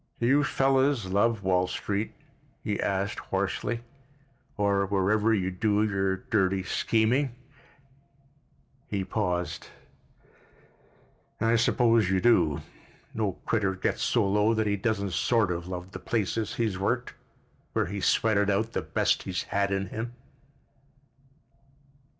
"Do you fellows love Wall Street?" he said hoarsely, "or wherever you do your dirty scheming——" He paused. "I suppose you do. No critter gets so low that he doesn't sort of love the place he's worked, where he's sweated out the best he's had in him."